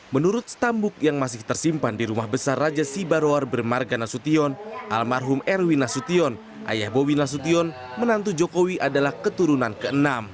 menurut stambuk yang masih tersimpan di rumah besar raja sibarwar bermarga nasution almarhum erwin nasution ayah bobi nasution menantu jokowi adalah keturunan ke enam